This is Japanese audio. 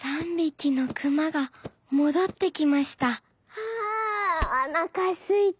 「あおなかすいた」。